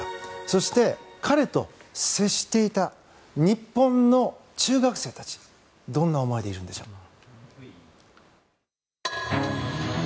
そして、彼と接していた日本の中学生たちどんな思いでいるのでしょうか。